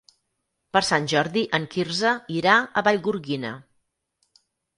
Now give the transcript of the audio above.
Per Sant Jordi en Quirze irà a Vallgorguina.